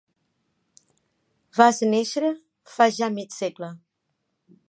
Vas néixer fa ja mig segle.